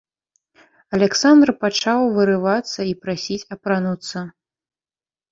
Аляксандр пачаў вырывацца і прасіць апрануцца.